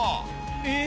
えっ！